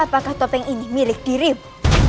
apakah topeng ini milik dirimu